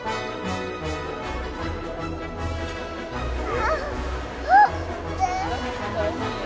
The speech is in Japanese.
あっ！